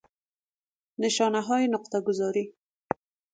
نشانه های نقطه گذاری